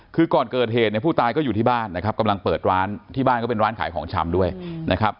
คือก่อนเกิดเหตุเนี่ยผู้ตายก็อยู่ที่บ้านนะครับกำลังเปิดร้านที่บ้านก็เป็นร้านขายของชำด้วยนะครับ